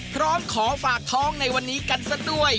พร้อมขอฝากท้องในวันนี้กันซะด้วย